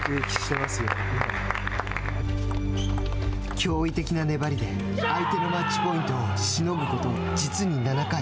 驚異的な粘りで相手のマッチポイントをしのぐこと実に７回。